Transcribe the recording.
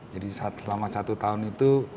jadi selama satu tahun itu